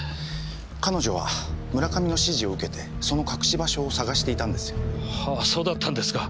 彼女は村上の指示を受けてその隠し場所を捜していたんですよ。はあそうだったんですか。